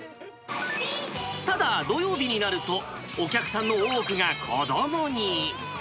ただ、土曜日になると、お客さんの多くが子どもに。